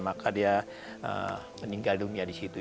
maka dia meninggal dunia disitu